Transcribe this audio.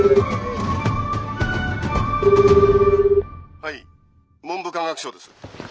はい文部科学省です。